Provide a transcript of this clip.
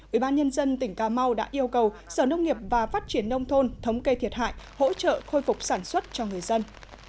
ubnd tỉnh cà mau đã yêu cầu sở nông nghiệp và phát triển nông thôn thống kê thiệt hại hỗ trợ khôi phục sản xuất cho người dân